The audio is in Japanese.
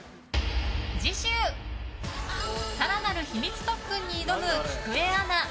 次週、更なる秘密特訓に挑むきくえアナ。